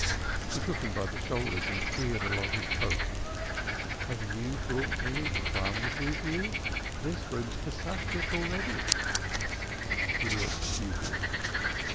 She took him by the shoulders, and peered along his coat. "Have you brought any crumbs with you? This room's pesachdik already." He looked dubious.